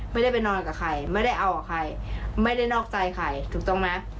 ไม่ได้ไปนอนกับใครไม่ได้เอากับใครไม่ได้นอกใจใครถูกต้องไหม